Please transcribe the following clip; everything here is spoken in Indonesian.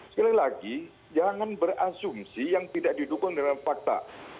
sekali lagi jangan berasumsi yang tidak didukung dengan fakta